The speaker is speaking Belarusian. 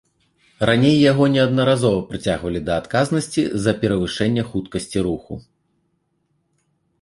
Раней яго неаднаразова прыцягвалі да адказнасці за перавышэнне хуткасці руху.